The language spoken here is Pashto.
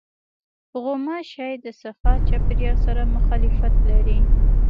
غوماشې د صفا چاپېریال سره مخالفت لري.